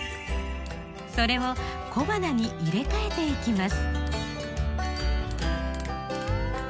それを小花に入れ替えていきます。